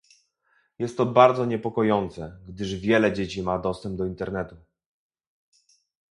Jest to bardzo niepokojące, gdyż wiele dzieci ma dostęp do Internetu